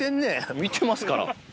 見てますから。